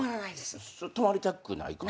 それ泊まりたくないから？